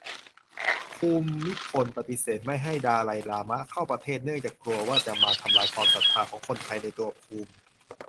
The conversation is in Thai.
ภูมิพลปฏิเสธไม่ให้ดาไลลามะ เข้าประเทศ เนื่องจากกลัวว่า จะมาทำลายความศรัทธาของคนไทยในตัวภูมิ